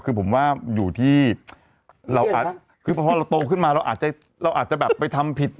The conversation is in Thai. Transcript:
คือผมว่าอยู่ที่เราอาจคือพอเราโตขึ้นมาเราอาจจะเราอาจจะแบบไปทำผิด